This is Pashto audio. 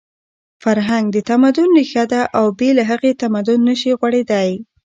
فرهنګ د تمدن ریښه ده او بې له هغې تمدن نشي غوړېدی.